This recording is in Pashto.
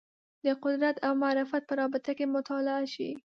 د قدرت او معرفت په رابطه کې مطالعه شي